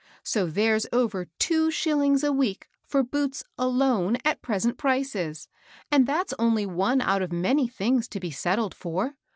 So there's over two shillings a week for boots alone, at present prices; and that's only one out of many things to be settled for.